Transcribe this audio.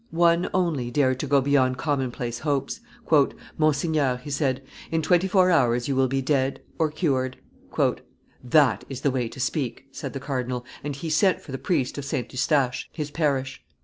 One, only, dared to go beyond commonplace hopes. "Monsignor," he said, "in twenty four hours you will be dead or cured." "That is the way to speak!" said the cardinal; and he sent for the priest of St. Eustache, his parish.